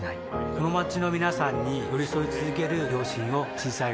この街の皆さんに寄り添い続ける両親を小さい頃から見ていました